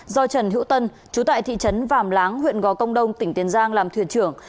do trần hữu tân chú tại thị trấn vàm láng huyện gò công đông tỉnh tiền giang làm thuyền trưởng